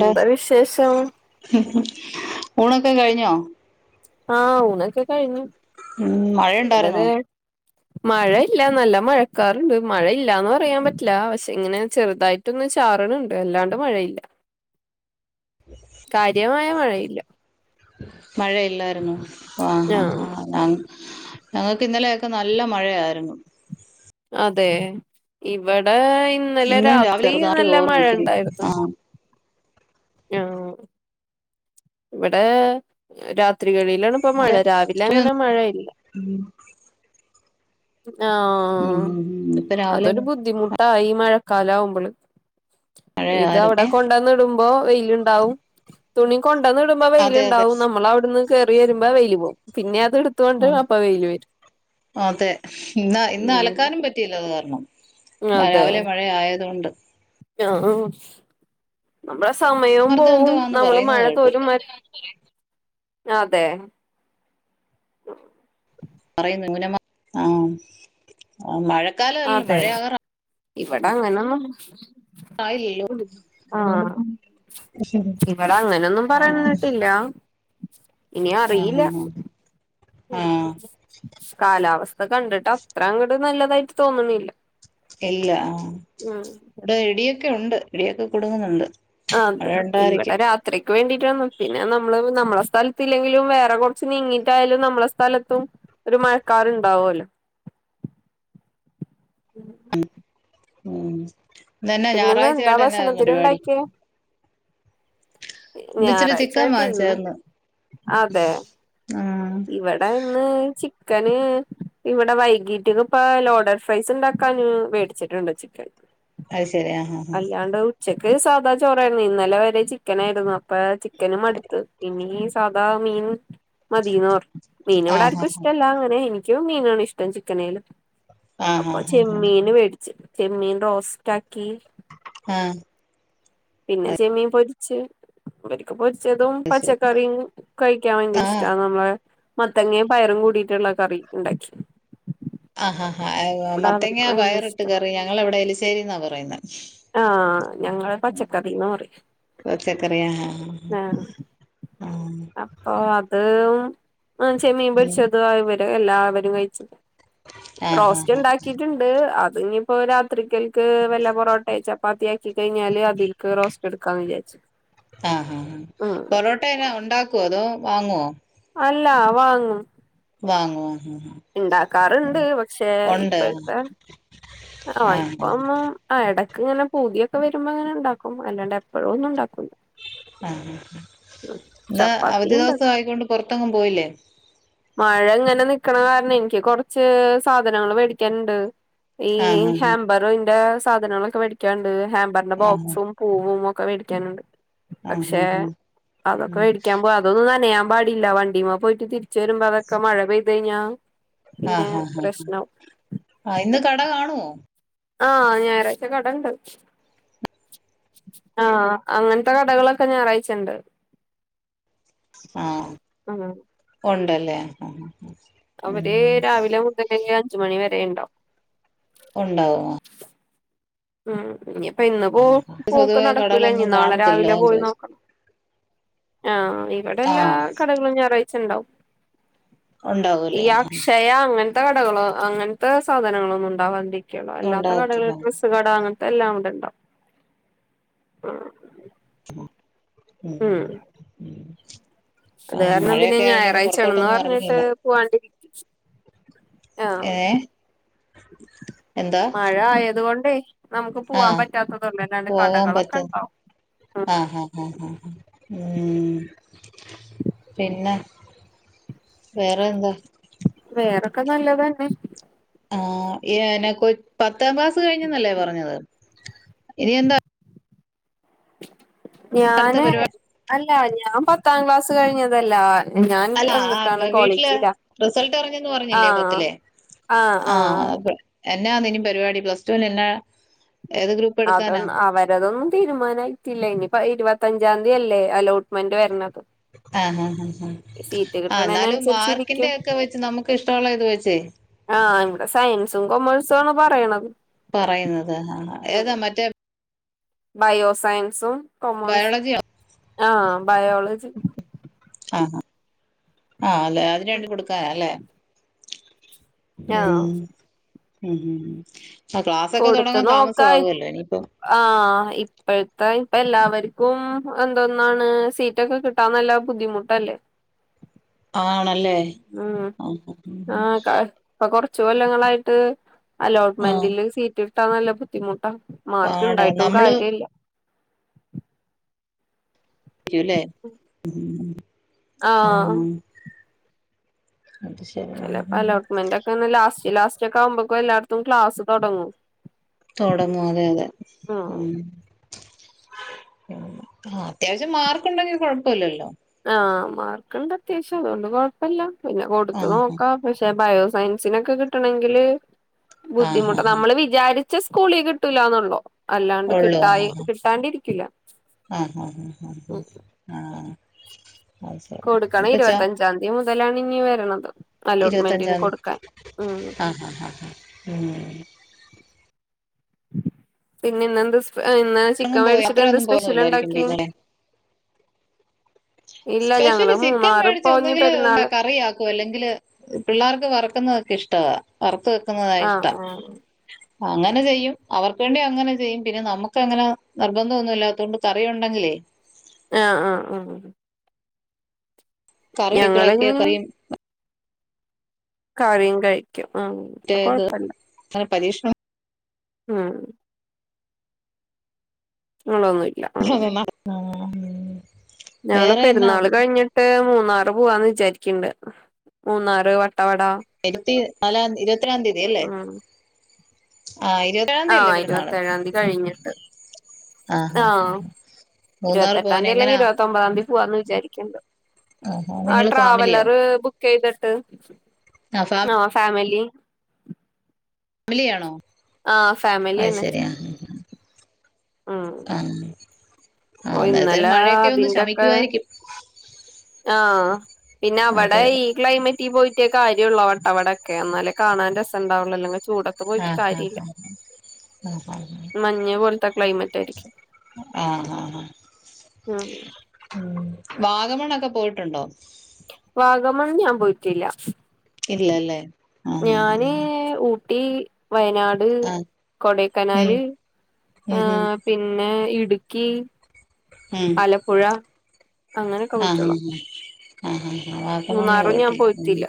എന്താ വിശേഷം ഊണൊക്കെ കഴിഞ്ഞോ ആ ഊണക്കെ കഴിഞ്ഞു ഉം മഴണ്ടായിര്ന്നോ മഴല്ല നല്ല മഴക്കാറ്ണ്ട് മഴ ഇല്ലാന്ന് പറയാൻ പറ്റ്ല പക്ഷെ ഇങ്ങനെ ചെറ്തായിട്ടൊന്ന് ചാറ്ന്ണ്ട് അല്ലാണ്ട് മഴയില്ല കാര്യമായ മഴയില്ല. മഴയില്ലായിരുന്നു ആഹ ആഹ് ആ ഞങ്ങൾക്ക് ഇന്നലെയൊക്കെ നല്ല മഴയായിരുന്നു. അതെ ഇവിടെ ഇന്നലെ ഇന്നും രാവിലെ രാത്രി ചെറുതായിട്ട് നല്ല മഴ ചോർന്നിക്കുന്നു ഉണ്ടായിരുന്നു. ആ ആ ഇവിടെ രാത്രി ഴികളിയിലാണ് ഇപ്പ മഴ അല്ലെ രാവിലെ ഉം അങ്ങനെ മഴയില്ല ഉം ഉം ആഹ ഉം ഇപ്പൊ രാവിലെ അതൊരു ബുദ്ധിമുട്ടായി ഈ മഴക്കാലാവുമ്പള് ഇത് അവ്ടെ മഴയായിരുന്നേ കൊണ്ടന്ന്ടും വെയിലുണ്ടാവും തുണിയ കൊണ്ടന്ന് ഇടുമ്പോ അതെ അതെ വെയിലുണ്ടാവും നമ്മൾ അവിടുന്ന് കേയറി വരുമ്പോ വെയില് പോവും പിന്നെ എടുത്തോണ്ട് ആ അപ്പ വെയില് വരും അതെ ഇന്ന് ഇന്ന് അലക്കാനും പറ്റിയില്ല അത് കാരണം രാവിലെ മഴ ആയതൊണ്ട് ആഹ ന- സമയം മർദ്ദം എന്തോ പോവും ആന്ന് നമ്മള് പറയുന്നത് മഴ കേട്ടു തോരും അതെ. ആഹ പറയുന്നു ഇങ്ങനെ ആഹ് മഴക്കാല അല്ലല്ലോ മഴയാകാറ ഇവിട അങ്ങനൊന്നും ആ ഇല്ലല്ലോ ആഹ് ഇവിടെ അങ്ങനൊന്നും ആ പറഞ്ട്ടില്ല ഇനിയ ആ അറിയില്ല. ആ ആഹ് കാലാവസ്ഥ കണ്ടിട്ട് അത്രങ്ങട് നല്ലത് അതായിട്ട് തോന്നുന്നില്ല ഇല്ല ആ ഇവിടെ ഇടിയൊക്കെ ഉണ്ട് ഇടിയൊക്കെ കൊടുങ്ങുന്നുണ്ട് ആ മഴ അതെ ഇവിടെ ഉണ്ടായിരിക്കും രാത്രിക്ക് വേണ്ടീട്ട പിന്നെ നമ്മള് നമ്മളെ സ്ഥലത്തില്ലെങ്കിലും വേറെ കുറച്ച് നീങ്ങിട്ടായാലും നമ്മളെ സ്ഥലത്തും ഒരു മഴക്കാരറുണ്ടാവോലോ മ് മം ന്നെ പിന്നെന്ന് എന്താ ഞായറാഴ്ചയായിട്ട് എന്നാ ഭക്ഷണത്തിന് പരിപാടി ഉണ്ടാക്കിയേ ഇന്ന് ഇച്ചിരി ചിക്കൻ ഞായറാഴ്ചായിട്ട് ഇന്ന് വാങ്ങിച്ചായിരുന്നു അതെ ആഹ് ഇവിടെ ഇന്ന് ചിക്കന് ഇവിടെ വൈകീട്ട്ക്ക് ഇപ്പ ലോഡഡ് ഫ്രൈസ് ഇണ്ടാക്കന് മേടിച്ചിട്ടുണ്ട് ചിക്കൻ അത് ശെരി ആ ആ ആഹാ അല്ലാണ്ട് ഉച്ചക്ക് സാധാ ചോറായിരുന്നു. ഇന്നലെ വരെ ചിക്കനായിരുന്നു, അപ്പൊ ചിക്കനും മടുത്ത് ഇനി സാധാ മീൻ മ [unintelligible] മീൻ ഇവിടെ ആഹ് ആർക്കും ഇഷ്ടമല്ല അങ്ങനെ എനിക്കും മീനാണ് ഇഷ്ടം ചിക്കനേലും ആഹ് അപ്പൊ ആഹ് ആഹ് ചെമ്മീന് മേടിച്ചു ചെമ്മീൻ റോസ്റ്റ് [unintelligible] ആഹ പിന്നെ ചെമ്മീൻ പൊരിച്ച് ഇവര്ക്ക് [unintelligible] [unintelligible] അത് ശരി പച്ചക്കറിയും കയിക്കാൻ ഭയങ്കര ആഹ് ഇഷ്ടമാണ് [unintelligible] മത്തങ്ങെ പയറും കൂടിട്ടുള്ള കറി ഉണ്ടാക്കി ആഹാ ഇവിടെ അവർക്ക് മത്തേങ്ങ ഭയങ്കര പയറിട്ട് ഇഷ്ട കയറി ഞങ്ങൾ ഇവിടെ എരിശ്ശേരി എന്നാ പറയുന്നത് ആഹ ഞങ്ങള് പച്ചക്കറീന്നാ പറ്‌യ [unintelligible] അപ്പൊ അതും ചെമീൻ ഉം പൊരിച്ചതും അവര് എല്ലാവരും കഴിച്ചണ്ട് ആഹ് റോസ്റ്റ് ആഹ് ആഹ് ഉണ്ടാക്കിട്ടുണ്ട് [unintelligible] അതിനിപ്പോ രാത്രിക്കൽക്ക് വല്ല പൊറോട്ട ചപ്പാത്തിയാക്കി കഴിഞ്ഞാല് അതിലക്ക് റോസ്റ്റ് എടുക്കാന്ന് വിചാരിച്ചു ആഹ ഹഹ ആ ഉം പൊറോട്ടന ഉണ്ടാക്കുവോ അതോ വാങ്ങോ അല്ലാ വാങ്ങും വാങ്ങോ ഉണ്ടാക്കാറുണ്ട് പക്ഷെ ഉണ്ട് ഇപ്പോഴത്തെ ആ ആഹ് ഇപ്പം ആഹ് ആ ഇടയ്ക്ക് ഇങ്ങനെ പൂതിയൊക്കെ വരുമ്പോ അങ്ങനെ ഉണ്ടാക്കും അല്ലാണ്ട് എപ്പോഴും ഒന്നും [unintelligible] ആഹ ഇന്ന് ചപ്പാത്തി അവധി ഉണ്ടാ ദിവസ ആയിക്കൊണ്ട് പൊറത്തങ്ങും പോയില്ലേ മഴ ഇങ്ങനെ നിക്കണകാരണം എനിക്ക് കൊറച്ച് സാധനങ്ങൾ മേടിക്കാനുണ്ട് ഈ ആഹ് ഹാമ്പറിന്റെ സാധനങ്ങളൊക്കെ മേടിക്കാണ്ട് ഹാമ്പറിന്റെ ആഹ് ബോക്സും പൂവും [unintelligible] [unintelligible] ആഹ് പക്ഷെ ആഹ് ആഹ് അതൊക്കെ ഉം മേടിക്കാൻ [unintelligible] അതൊന്ന [unintelligible] [unintelligible] വണ്ടി പോയിട്ട് തിരിച്ച വരുമ്പോ അതൊക്കെ മഴ പെയ്ത് കഴിഞ്ഞാ ആഹ് പിന്നെ ഹാ ഹാാ പ്രശ്നാവും ആ ഇന്ന് കട കാണുവോ ആഹ ഞായറാഴ്ച കട ഇണ്ട് ആഹ അങ്ങനത്തെ കടകളൊക്കെ ഞാറായ്ച്ച്ണ്ട് ആഹ ആന്ന ഉണ്ടല്ലേ ആ അവര് രാവിലെ [unintelligible] അഞ്ചുമണി വരെുണ്ടാവും ഉണ്ടാവ്യോ ഉം ഇനിപ്പ ഇന്ന് പോ ആ, ആ, ആ. പോക്ക് പൊതുവെ നടക്കൂല ഇനി കടകളൊന്നും നാളെ കാണത്തില്ല അതാ രാവിലെ ഞാൻ പോയി ചോദിച്ചെ നോക്കണം ആഹ ഇവിടെ എല്ലാ ആഹ് കടകളും ഞായറാഴ്ചണ്ടാവും ഈ ഉണ്ടാവൂല്ലേ അക്ഷയ അങ്ങനത്തെ കടകളോ അങ്ങനത്തെ സാധനങ്ങളൊന്നും ഉണ്ടാവാണ്ട [unintelligible] അല്ലാത്ത കടകള ഉണ്ടാകത്തില്ല ഡ്രസ്സ് കട അങ്ങനത്തെ എല്ലാം അവിടെണ്ടാവും [unintelligible] അത് ആഹ കാരണം പിന്നെ മഴയൊക്കെ ആയോണ്ടൊന്ന് ഞായറാഴ്ചയാണെന്ന് പുറത്തോട്ടൊന്നും പറഞ്ഞിട്ട് ഇങ്ങയില്ല പോവാണ്ടിരിക്കും ആഹ് ഏ എന്താ മഴ ആയത് കൊണ്ടേ നമുക്ക് പോവാൻ [unintelligible] പറ്റാത്തതൊള്ളൂ അല്ലാണ്ട് പോകാൻ കടകളൊക്കെ പറ്റുന്ന ഉണ്ടാവും ഉം ആഹ് ഹഹ് [unintelligible] പിന്നെ വേറെ എന്താ വേറൊക്കെ നല്ലതന്നെ ആഹ് ഏന കൊ ഇനിയെന്താ അടുത്ത ഞാന് പരിപാടി അല്ല ഞാൻ [unintelligible] പത്താം ക്ലാസ് കഴിഞ്ഞതല്ലേ ഞാൻ അല്ല എന്നിട്ടാണ് ആഹ് വീട്ടില് കോളേജിലാ റിസൾട്ട് അറിഞ്ഞെന്ന് പറഞ്ഞില്ലേ ആഹ പത്തിലെ ആഹ ആഹ ആഹ എന്നാ നിനും പരിപാടി [unintelligible] ഗ്രൂപ്പ് അതൊ എടുക്കാനാ അവരതൊന്നും തീരുമാനായിട്ടില്ല ഇനിപ്പ ഇരുപത്തി പഞ്ചാം തീയല്ലേ അലോട്ട്മെന്റ് വരണെ ആഹ ആഹ ആ എന്നാലും കിട്ടണേനനുസരിച്ചിരിക്കും മാർക്കിന്റെ ഒക്കെ വെച്ച് നമുക്ക് ഇഷ്ടള്ള ഇത് വെച്ചേ ആഹ ഇവിടെ സയൻസും കൊമേഴ്സും ആണ് പറയണത് പറയുന്നത് ആ ഉം ഏതാ മറ്റേ ബയോ സയൻസും കൊമേഴ്സ് ബയോളജിയോ ആഹ ബയോളജി ആഹ അല്ലെ അതിനന് വേണ്ടി കൊടുക്കാന അല്ലേ ആഹ ഉം ആ ക്ലാസ്സൊക്കെ കൊടുത്ത തുടങ്ങാൻ നോക്കായി താമസമാവുമല്ലോ ഇനിയിപ്പം ആഹ ഇപ്പോഴത്തെ ഇപല്ലാവർക്കും എന്തോന്നാണ് സീറ്റൊക്കെ കിട്ടാന്നല്ല ബുദ്ധിമുട്ടല്ലേ ആണല്ലേ ആ ഉംആഹ ഇപ്പൊ കുറച്ച് കൊച്ച് കൊല്ലങ്ങളായിട്ട് ആഹ് അലോട്ട്മെന്റിില് സീറ്റ് കിട്ടാൻ നല്ല ബുദ്ധിമുട്ടാ മാർക്ക് പാടാ ഇണ്ടായിട്ടും നമ്മള് കാര്യില്ല [unintelligible] ആഹ ആഹ് അത് ശരി ചിലപ്പോ അലോട്ട്മെന്റ് ഒക്കെ ലാസ്റ്റ് ലാസ്റ്റ് ഒക്കെ ആവുമ്പോക്ക എല്ലാടത്തും ക്ലാസ് തുടങ്ങും തുടങ്ങും അതെ അതെ ഉം അത്യാവശ്യം മാർക്ക് ഉണ്ടെങ്കിൽ കൊഴപ്പല്ലല്ലോ ആഹ് മാർക്ക്ണ്ട് അത്യാവശ്യം അതുകൊണ്ട് കൊഴപ്പല്ല പിന്നെ കൊടുത്ത് ആഹ് നോക്കാം. പക്ഷെ സയൻസിനൊക്കെ കിട്ടണെങ്കില് ആഹ് ആഹ് ബുദ്ധിമുട്ട ആഹ് നമ്മള് വിചാരി ച്ചല സ്കൂളിൽ കിട്ടൂലാന്നുള്ളൂ അല്ലാണ്ട് ഉള്ളൂ ആഹ് കിട്ടായി കിട്ടാണ്ടിരിക്കില്ല ആഹ് ഹാ ഹാ ആഹ് അത് ശരി കൊടുക്കണം ഇപ്പ ച ഇരുപത്തഞ്ചാംതി മുതലാണ് ഇനി വര്ണത് അലോട്ട്മെന്റിന് ഇരുപത്തഞ്ചാം തീയതി കൊടുക്കാൻ ഉം ആഹ് ആഹ് ആഹ് ഉം പിന്നന്നിന്ത് ഇന്ന് ചിക്കൻ എങ്ങും പോയി വേടിച്ചിട്ട് എന്താ യാത്രയൊന്നും സ്പെഷ്യൽ പോകുന്നില്ലായിരിക്കും ഇണ്ടാക്കി പിന്നല്ലേ സ്പെഷ്യല് ചിക്കൻ മേടിച്ച ഒന്നെങ്കില് എന്താ കറിയാക്കും അല്ലെങ്കില് പിള്ളേർക്ക് വറക്കുന്നതൊക്ഷട്ടം വറത്ത് വെക്കുന്നതാ ആഹ് ഇഷ്ടം ആഹ് അങ്ങനെ ചെയ്യും അവർക്ക് വേണ്ടി അങ്ങനെ ചെയ്യും പിന്നെ നമുക്ക് അങ്ങനെ നിർബന്ധം ഒന്നും ഇല്ലാത്തകൊണ്ട് കറിയുണ്ടെങ്കിലേ [unintelligible] ആഹ് ആഹ് ആ [inaudible] കറിയും കഴിക്കും ആ അപ്പ കൊഴപ്പല്ല പരീക്ഷണം ആഹ് [unintelligible] [unintelligible] ഞങ്ങള് വേറെ എന്നാ പെരുന്നാള് കഴിഞ്ഞിട്ട് മൂന്നാറ് പോവാന്ന് വിചാരിക്ക്ണ്ട് മൂന്നാറ് വ വട്ടവട [unintelligible] തീയതിയല്ലേ ആ ഇരുപത്തേഏഴാംതി കഴിഞ്ഞിട്ട് ആഹ് മൂന്നാർ പോവാൻ ഇരുപത്തെട്ടാംതി അല്ലെങ്കി എങ്ങനാ ഇരുപത്തൊമ്പതാംതി പോവാന്ന് വിചാരി ആഹാ ആ നിങ്ങള് ഫാമിലിയോ ട്രാവലർ ബുക്കെയ്തിട്ട് ആ ആഹ് ഫാമിലി ഫാമിലിയാണോ ആഹ് അത് ഫാമിലിയന്നെ ശരി ആഹ് ആഹ് ആ ഓ അന്നേരത്തേന് ഇന്നലെ മഴയൊക്കെ ഒന്ന് അതിന്റൊക്കെ ശമിക്കുവായിരിക്കും ആഹ് പിന്നെ അവിടെ അതെ ഈ അതെ ക്ലൈമറ്റി പോയി പോയിട്ടെ കാര്യൊള്ളൂ വട്ടവടയൊക്കെ എന്നാലേ കാണാൻ രസംണ്ടാവൊള്ളൂ അല്ലെങ്കിൽ ചൂടത്ത് പോയിട്ട് ആഹ് ആഹ് കാര്യല്ല. ആഹ് ആഹ് മഞ്ഞ് പോലത്തെ ക്ലൈമറ്റ് ആയിരിക്കും ആഹ് ആഹ് ആഹ് ഉം ഉം വാഗമണൊക്കെ പോയിട്ടുണ്ടോ വാഗമൺ ഞാൻ പോയിട്ടില്ല ഇല്ലല്ലേ ആഹ് ഞാന് ഊ ഊട്ടി വയനാട് ആഹ് ഉം കൊടൈക്കനാല് ഉം ഉം ഏഹ് പിന്നെ ഇ ഇടുക്കി ഉം ആലപ്പുഴ. അങ്ങനെയൊക്കെ ആഹ് പോയിട്ടൊള്ളൂ. ആഹ് ആഹ് വാഗമണ്ണ് മൂന്നാറും ഞാൻ പോയിട്ടില്ല ഉം പോയ്റ്റില്ല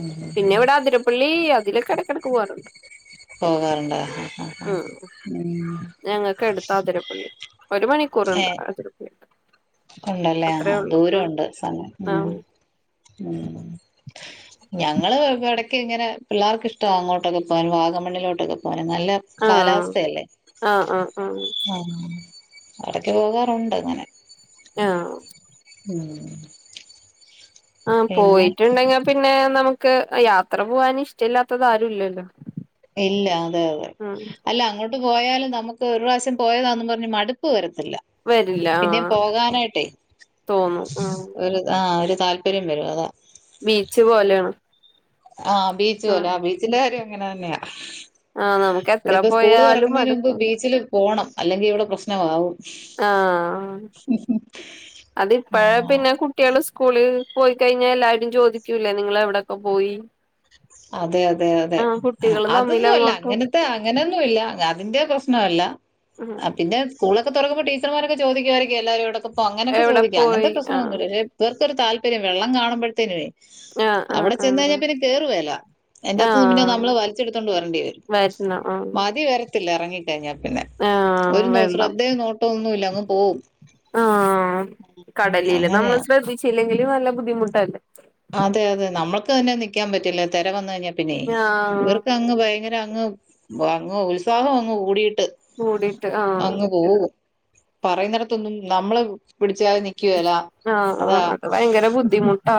ഉം പിന്നെ ഉം ഇവിടെ അതിരപ്പള്ളി ഇതിലൊക്കെടക്കെടക്ക് പോകാറുണ്ട്. പോകാറുണ്ട് ആഹ് ആഹ് ആഹ് ഉം ഉം ഞങ്ങക്ക് അടുത്താ അതിരപ്പള്ളി. ഒരു മണിക്കൂറുണ്ട് ഏഹ് അതിരപ്പള്ളിക്ക്. ഉണ്ടല്ലേ ആഹാ ദൂരൊണ്ട് സമയം ഉം ആഹ് ഉം. ഞങ്ങള് ഇടക്ക് ഇങ്ങനെ പിള്ളേർക്ക് ഇഷ്ട അങ്ങോട്ടൊക്കെ പോകാൻ വാഗമണ്ണിലോട്ടൊക്കെ പോകാന് നല്ല ആഹ് കാലാവസ്ഥയല്ലേ ആഹ് ആഹ് ആഹ്. അവിടക്ക് പോകാറുണ്ട് അങ്ങനെ. ആഹ്. [inaudible] ആഹ് പിന്നെ പോയിട്ടുണ്ടെങ്കിൽ പിന്നെ നമുക്ക് യാത്ര പോകാൻ ഇഷ്ടമല്ലാത്തത് ആരുല്ലല്ലോ? ഇല്ല അതെ അതെ അല്ല അങ്ങോ അങ്ങോട്ട് പോയാലും നമുക്ക് ഒരു പ്രാവശ്യം പോയതാണെന്ന് പറഞ്ഞ് മടുപ്പ് വര ത്തില്ല വരില്ല പിന്നേ ആഹ് പോകാനായിട്ടേ തോന്നും ഉം ഒരു ആഹ്. താല്പര്യം വരും അതാ ബീച്ച് പോലെയാ ആഹ് ബീച്ച് പോല ആഹ് ബീച്ചില കാര്യം എങ്ങനെ തന്നെയാ. ആഹ് നമുക്ക് ഇവിടെ എത്ര ഇപ്പ സ്കൂള് പോയാലും തുറക്കുന്നതിന് മുമ്പ് മടുക്കൂല ബീച്ചിൽ പോകണം അല്ലെങ്കിൽ ഇവിടെ പ്രശ്നമാവും. ആഹ് അതിപ്പ ആ പിന്നെ കുട്ടികള് സ്കൂളി പോയി കഴിഞ്ഞാൽ എല്ലാവാരും ചോദിക്കൂല്ലേ നിങ്ങൾ എവിടെക്കെ പോയി? അതെ അതെ അതെ ആഹ് കുട്ടികള് തമ്മിൽ അതൊന്നും അല്ല അങ്ങോട്ടും അങ്ങനത്തെ അങ്ങനെയൊന്നും ഇല്ല അതിന്റെ പ്രശ്നമല്ല ഉം പിന്നെ സ്കൂളൊക്കെ തുടങ്ങുമ്പോ ടീച്ചർമാരൊക്കെ ചോദിക്കുമായിരിക്കും എല്ലാവരും ഇടൊക്കെ ഓ അങ്ങനെക്കെ എവിടെ ചോദിക്ക പോയി അങ്ങനത്തെ ആഹ് പ്രശ്നൊന്നുമില്ല പക്ഷേ ഇവർക്കരു താല്പര്യം വെള്ളം കാണുമ്പോഴതേനുവേ ആഹ് ആഹ് അവിടെ ചെന്ന് ആഹ് കഴിഞ്ഞാ പിന്നെ കേറു വേല. അതിന്റാത്തു നിന്ന് പിന്നെ ആഹ് നമ്മള് വലിച്ചെടുത്തോണ്ട് വരണ്ടി വരും വരണം ആഹ് മതി വരത്തില്ല ഇറങ്ങി കഴിഞ്ഞ പിന്നെ ആഹ് ഒരു ശ്രദ്ധയും നോട്ടവും ഒന്നുല്ല. ആ ഉം, കടലില് അങ്ങനെയാ നമ്മള് ശ്രദ്ധിച്ചില്ലെങ്കും നല്ല ബുദ്ധിമുട്ടല്ലെ അതെ അതെ നമ്മൾക്ക് തന്നെ നിക്കാൻ പറ്റില്ല തിര വന്നു കഴിഞ്ഞാൽ പിന്നെ ആഹ് ഇവർക്ക് അങ്ങ് ഭയങ്കര അങ്ങ് ഉത്സാഹം അങ്ങ് കൂടി കൂടിട്ട് ആഹ്. പറയുന്നിടത്തൊന്നും നമ്മള് പിടിച്ചാൽ നിക്കുവേലാ ആഹ് അതാ ആഹ് അത് ഭയങ്കര ബുദ്ധിമുട്ടാ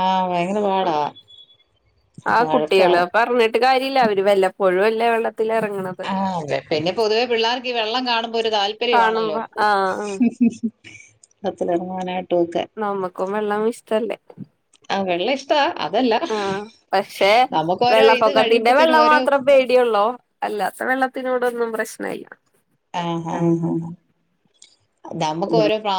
ആഹ് ഭയങ്കര പാടാ ആ വഴക്കാ. കുട്ടികള് പറഞ്ഞിട്ട് കാര്യമില്ല അവര് വല്ലപ്പോഴും അല്ലെ വെള്ള ആഹ് അതെ പിന്നെ പൊതുവേ പിള്ളേർക്ക് ഈ വെള്ളം കാണു ഒരു താല്പര്യമാണല്ലോ കാണുമ്പോ ആഹ് ആഹ് വെള്ളത്തിലിറങ്ങാനായി നമ്മക്കും വെള്ളം ഇഷ്ടമല്ലേ. ആഹ് വെള്ള ഇഷ്ട ആഹ് പക്ഷെ ഓരോ ഇത് വെള്ളപ്പൊക്കത്തിന്റെ കഴിയുമ്പത്തേനും വെള്ളം ഓരോ മാത്രം പേടിയൊള്ളോ അല്ലാത്ത വെള്ള വെള്ളത്തിനോടൊന്നും പ്രശ്നമില്ല. ആഹ് ആഹ് ആ നമ്മുക്ക് ഓരോ പ്രാ